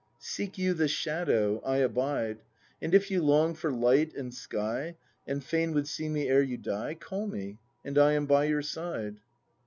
Seek you the shadow; I abide. And if you long for light and sky. And fain would see me ere you die. Call me, and I am by your side.